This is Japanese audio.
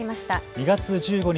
２月１５日